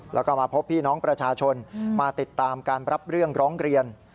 แล้วก็มาพบพี่น้องประชาชนมาติดตามการรับเรื่องร้องเรียน